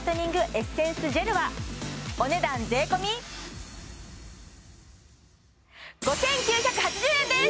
エッセンスジェルはお値段税込５９８０円です！